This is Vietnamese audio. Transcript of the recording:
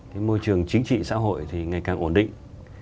cái môi trường chính trị xã hội thì ngày càng ổn định